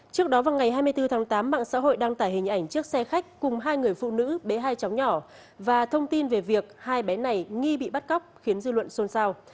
trước đó vào ngày hai mươi bốn tháng tám mạng xã hội đăng tải hình ảnh chiếc xe khách cùng hai người phụ nữ bé hai cháu nhỏ và thông tin về việc hai bé này nghi bị bắt cóc khiến dư luận xôn xao